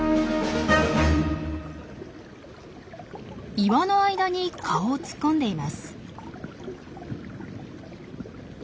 岩の間に顔を突っ込んでいます。